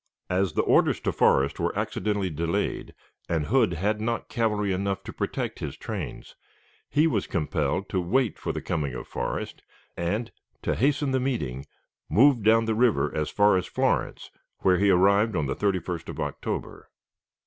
As the orders to Forrest were accidentally delayed, and Hood had not cavalry enough to protect his trains, he was compelled to wait for the coming of Forrest, and, to hasten the meeting, moved down the river as far as Florence, where he arrived on the 31st of October.